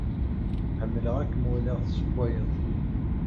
Ḥemmleɣ ad kem-waliɣ tessewwayed.